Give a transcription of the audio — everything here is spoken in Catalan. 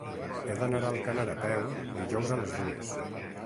He d'anar a Alcanar a peu dijous a les dues.